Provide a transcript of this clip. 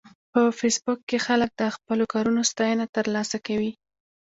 په فېسبوک کې خلک د خپلو کارونو ستاینه ترلاسه کوي